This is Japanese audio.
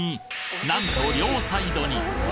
なんと両サイドに！